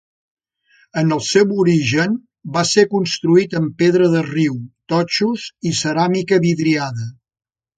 En el seu origen va ser construït amb pedra de riu, totxos i ceràmica vidriada.